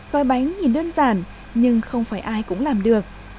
gói bánh nhìn đơn giản nhưng không phải ai cũng làm được